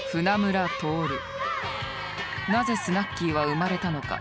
なぜ「スナッキー」は生まれたのか。